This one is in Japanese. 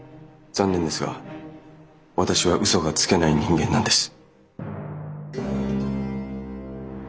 残念ですが私は嘘がつけない人間なんです。